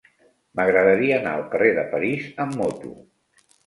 M'agradaria anar al carrer de París amb moto.